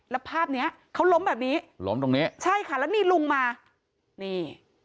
แล้วภาพเนี้ยเขาล้มแบบนี้ล้มตรงนี้ใช่ค่ะแล้วนี่ลุงมานี่